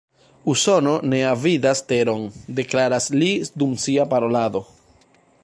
Usono ne avidas teron, deklaras li dum sia parolado.